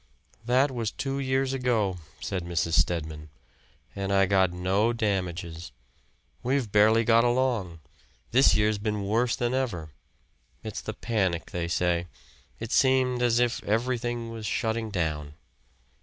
"That was two years ago," said Mrs. Stedman. "And I got no damages. We've barely got along this year's been worse than ever. It's the panic, they say. It seemed as if everything was shutting down."